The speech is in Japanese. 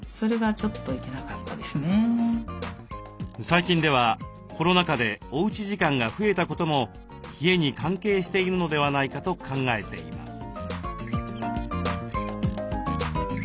最近ではコロナ禍でおうち時間が増えたことも冷えに関係しているのではないかと考えています。